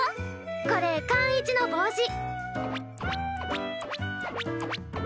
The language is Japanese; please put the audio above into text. これ貫一の帽子。